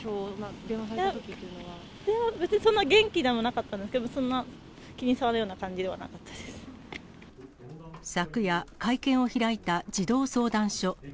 電話、別に元気でもなかったんですけど、そんな、気に障るような感じでは昨夜、会見を開いた児童相談所。